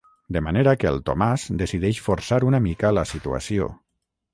De manera que el Tomàs decideix forçar una mica la situació.